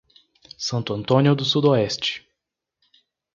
Santo Antônio do Sudoeste